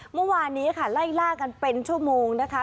เมื่อวานนี้ค่ะไล่ล่ากันเป็นชั่วโมงนะคะ